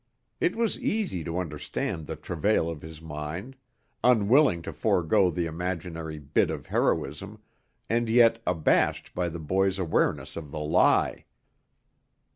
It was easy to understand the travail of his mind, unwilling to forego the imaginary bit of heroism, and yet abashed by the boy's awareness of the lie.